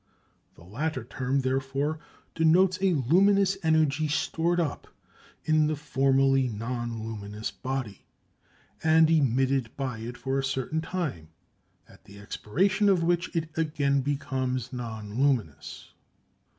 The latter term therefore denotes a luminous energy stored up in the formerly non luminous body and emitted by it for a certain time, at the expiration of which it again becomes non luminous.